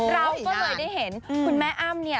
เราก็เลยได้เห็นคุณแม่อ้ำเนี่ย